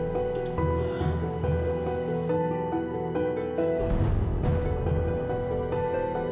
yang juga dengan